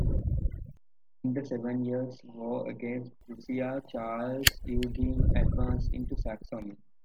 In the Seven Years' War against Prussia, Charles Eugene advanced into Saxony.